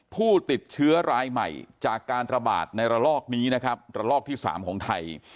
ผู้ติดเชื้อรายใหม่จากการระบาดในระลอกนี้นะครับระลอกที่๓ของไทย